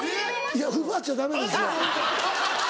いや奪っちゃダメですよ。